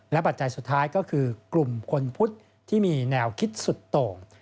ปัจจัยสุดท้ายก็คือกลุ่มคนพุทธที่มีแนวคิดสุดโต่ง